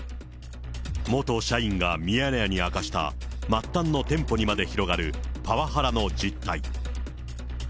元社員がミヤネ屋に明かした末端の店舗にまで広がるパワハラの実態。